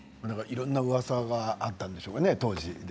いろんなうわさがあったんでしょうね、当時。